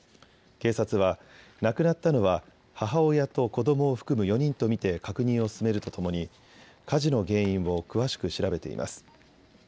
警察は亡くなったのは母親と子どもを含む４人と見て確認を進めるとともに火事の原因を詳しく調べています。